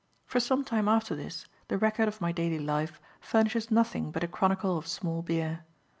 For some time after this, the record of my daily life furnishes nothing but a chronicle of small beer.